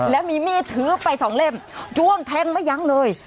แล้วมีมีดถือไปสองเล่มจ้วงแทงไม่ยั้งเลย